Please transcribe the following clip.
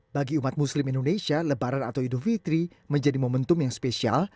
dalam kata tertulis petugas juga menyita makanan yang dijual